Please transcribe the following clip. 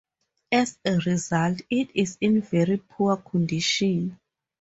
As a result, it is in very poor condition.